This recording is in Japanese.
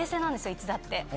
いつだって。